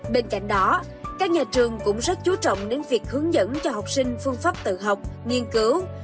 bên cạnh đó các nhà trường cũng rất chú trọng đến việc hướng dẫn cho học sinh phương pháp tự học nghiên cứu